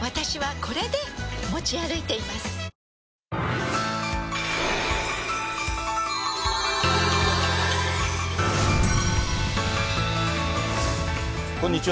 こんにちは。